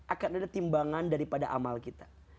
akan ada timbangan daripada amal kita